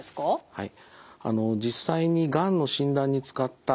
はい。